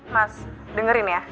mas dengerin ya